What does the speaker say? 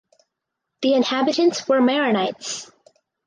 The inhabitants were Maronites.